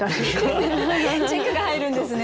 チェックが入るんですね。